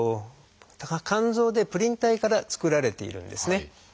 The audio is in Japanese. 肝臓でプリン体から作られているんですね。